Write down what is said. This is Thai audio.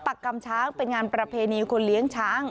ปากกำช้างเป็นงานประเพณีคนเลี้ยงช้าง